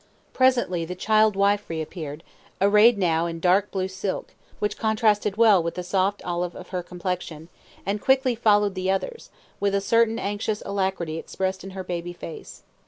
Presently the child wife reappeared, arrayed now in dark blue silk, which contrasted well with the soft olive of her complexion, and quickly followed the others, with a certain anxious alacrity expressed in her baby face.